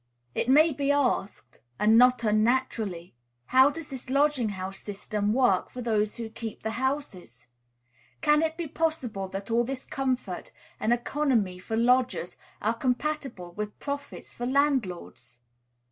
It may be asked, and not unnaturally, how does this lodging house system work for those who keep the houses? Can it be possible that all this comfort and economy for lodgers are compatible with profits for landlords?